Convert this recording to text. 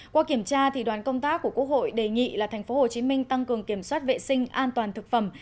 qua kiểm tra đoàn công tác của quốc hội đề nghị là tp hcm tăng cường kiểm soát vệ sinh an toàn thực phẩm